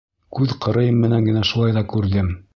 Күҙ ҡырыйым менән генә, шулай ҙа күрҙем.